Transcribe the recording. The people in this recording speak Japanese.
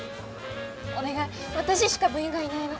お願い私しか部員がいないの。